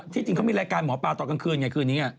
จริงเขามีรายการหมอปลาตอนกลางคืนไงคืนนี้ไง